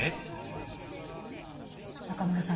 中村さん